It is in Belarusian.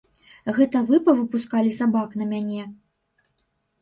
Гэта вы павыпускалі сабак на мяне?!